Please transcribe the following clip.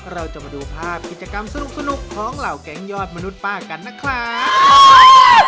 เราจะมาดูภาพกิจกรรมสนุกของเหล่าแก๊งยอดมนุษย์ป้ากันนะครับ